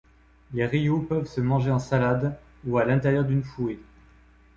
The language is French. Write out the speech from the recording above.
Les rillauds peuvent se manger en salade ou à l'intérieur d'une fouée.